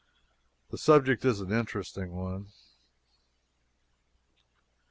The subject is an interesting one.